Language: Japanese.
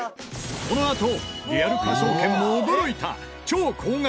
このあとリアル科捜研も驚いた超高額！